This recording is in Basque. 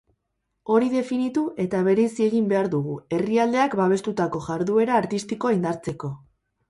Hori definitu eta bereizi egin behar dugu, herrialdeak babestutako jarduera artistikoa indartzeko.